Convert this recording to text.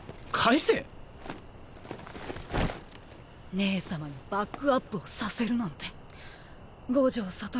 姉様にバックアップをさせるなんて五条悟